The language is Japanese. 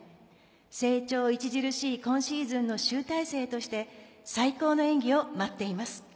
成長著しい今シーズンの集大成として最高の演技を舞っています。